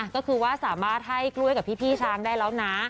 ก็คือว่าสามารถให้กล้วยกับพี่ช้างได้แล้วนะ